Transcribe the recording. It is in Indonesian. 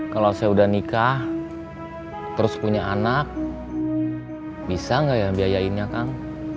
kalau saya udah nikah terus punya anak bisa nggak ya biayainnya kang